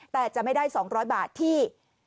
แต่จะไม่ได้๒๐๐บาทที่